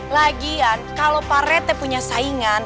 lagian kalau pak rete punya saingan